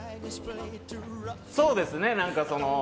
そうですね。